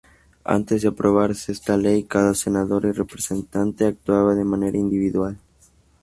Antes de aprobarse esta ley cada senador y representante actuaba de manera individual.